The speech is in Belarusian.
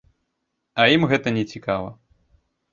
А ім гэта не цікава.